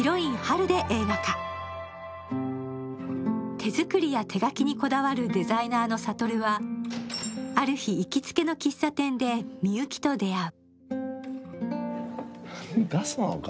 手作りや手書きにこだわるデザイナーの悟はある日、行きつけの喫茶店でみゆきと出会う。